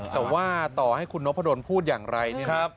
แต่ว่าต่อให้คุณน้องพะดนต์พูดอย่างไร